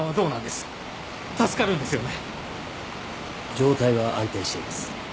状態は安定しています。